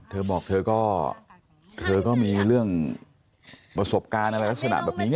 เธอบอกเธอก็เธอก็มีเรื่องประสบการณ์อะไรลักษณะแบบนี้